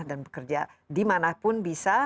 dan bekerja dimanapun bisa